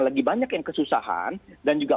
lagi banyak yang kesusahan dan juga